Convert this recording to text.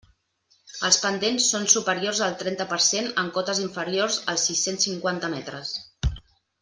Els pendents són superiors al trenta per cent en cotes inferiors als sis-cents cinquanta metres.